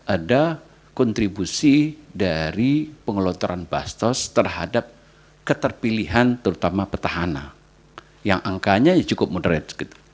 ada kontribusi dari pengelotoran bastos terhadap keterpilihan terutama petahana yang angkanya cukup moderat